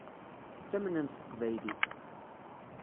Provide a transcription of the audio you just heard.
Ttamnen s teqbaylit.